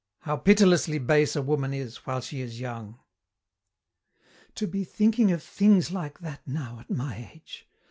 How pitilessly base a woman is while she is young! "... To be thinking of things like that now at my age!